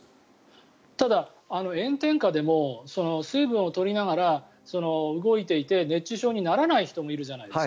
ただ、炎天下でも水分を取りながら動いていて熱中症にならない人もいるじゃないですか。